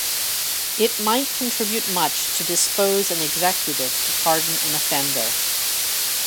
It might contribute much to dispose an executive to pardon an offender.